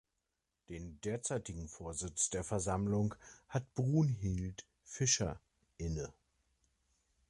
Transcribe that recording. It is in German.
Den derzeitigen Vorsitz der Versammlung hat Brunhild Fischer inne.